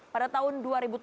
pada tahun dua ribu tujuh belas